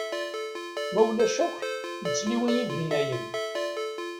Ma ulac akk, yettliwi ibennayen.